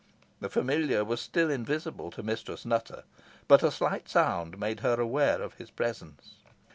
The familiar was still invisible to Mistress Nutter, but a slight sound made her aware of his presence.